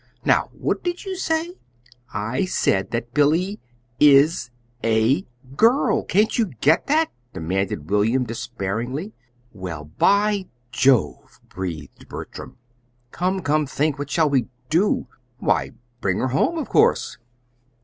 Now what did you say?" "I said that Billy is a girl. Can't you get that?" demanded William, despairingly. "Well, by Jove!" breathed Bertram. "Come, come, think! What shall we do?" "Why, bring her home, of course."